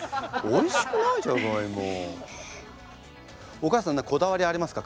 お母さん何かこだわりありますか？